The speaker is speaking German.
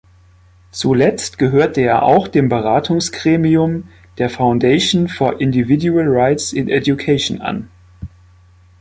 Zuletzt gehörte er auch dem Beratungsgremium der „Foundation for Individual Rights in Education“ an.